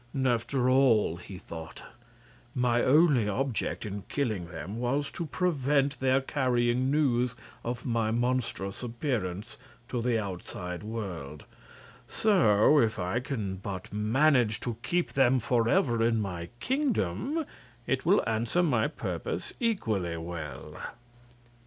"After all," he thought, "my only object in killing them was to prevent their carrying news of my monstrous appearance to the outside world; so if I can but manage to keep them forever in my kingdom it will answer my purpose equally well."